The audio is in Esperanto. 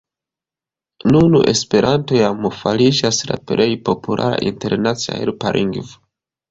Nun Esperanto jam fariĝas la plej populara internacia helpa lingvo.